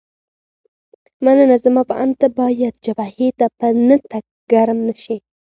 مننه، زما په اند ته باید جبهې ته په نه تګ ګرم نه شې.